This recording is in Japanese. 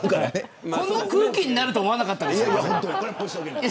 こんな空気になるとは思わなかったです。